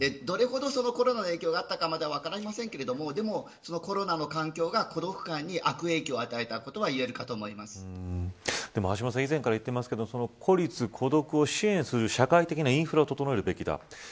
どれほどコロナの影響があったかは分かりませんがコロナの環境が、孤独感に悪影響を与えたことはでも橋下さん以前から言ってますけどその孤立、孤独を支援する社会的なインフラを整えるべきだ。